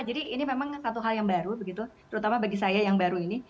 jadi ini memang satu hal yang baru terutama bagi saya yang baru ini